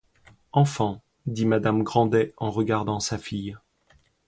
Enfant, dit madame Grandet en regardant sa fille.